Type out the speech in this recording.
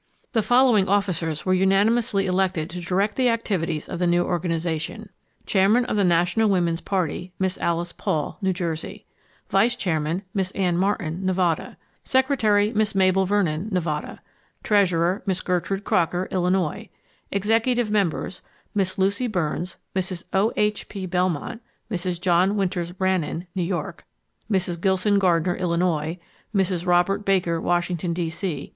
The following officers were unanimously elected to direct the activities of the new organization: Chairman of the National Woman's Party, Miss Alice Paul, New Jersey; Vice chairman, Miss Anne Martin, Nevada; secretary, Miss Mabel Vernon, Nevada; treasurer, Miss Gertrude Crocker, Illinois; executive members, Miss Lucy Burns, Mrs. O. H. P. Belmont, Mrs. John Winters Brannan, New York; Mrs. Gilson Gardner, Illinois; Mrs. Robert Baker, Washington, D. C.